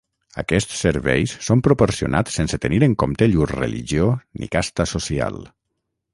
Aquests serveis són proporcionats sense tenir en compte llur religió ni casta social.